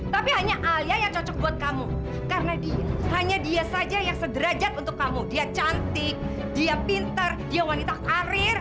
tapi hanya alia yang cocok buat kamu karena dia hanya dia saja yang sederajat untuk kamu dia cantik dia pintar dia wanita karir